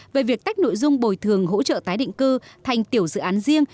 về việc tách nội dung bồi thường hỗ trợ tái định cư thành tiểu dự án riêng